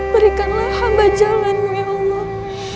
berikanlah hamba jalanmu ya allah